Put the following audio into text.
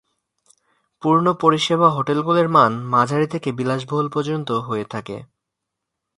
পূর্ণ-পরিষেবা হোটেলগুলির মান মাঝারি থেকে বিলাসবহুল পর্যন্ত হয়ে থাকে।